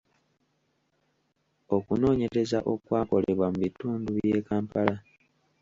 Okunoonyereza okwakolebwa mu bitundu by’e Kampala.